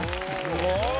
すごい！